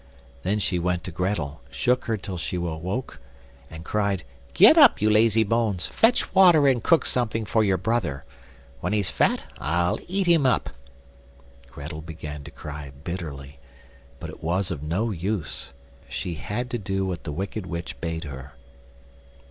Then she went to Grettel, shook her till she awoke, and cried: "Get up, you lazy bones, fetch water and cook something for your brother. When he's fat I'll eat him up." Grettel began to cry bitterly, but it was of no use; she had to do what the wicked witch bade her.